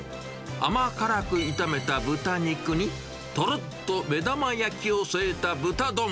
甘辛く炒めた豚肉に、とろっと目玉焼きを添えた豚丼。